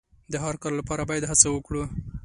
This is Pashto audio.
د هر کار لپاره باید هڅه وکړو.